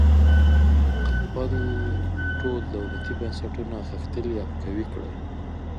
خپل ټول دولتي بنسټونه غښتلي او قوي کړي.